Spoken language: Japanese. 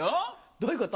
どういうこと？